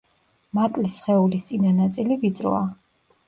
მატლის სხეულის წინა ნაწილი ვიწროა.